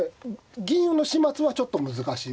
銀の始末はちょっと難しい。